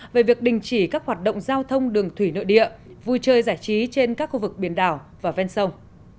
về việc đình chỉ các hoạt động giao thông đường thủy nội địa vui chơi giải trí trên các khu vực biển đảo và ven sông